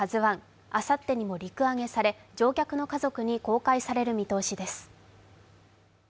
あさってにも陸揚げされ、乗客の家族に公開される見通しです。